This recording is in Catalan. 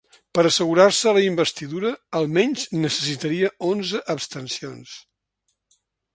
Per assegurar-se la investidura, almenys necessitaria onze abstencions.